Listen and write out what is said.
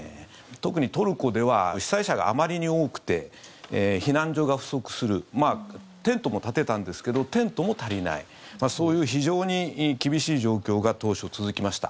特にトルコでは被災者があまりに多くて避難所が不足するテントも立てたんですけどテントも足りないそういう非常に厳しい状況が当初続きました。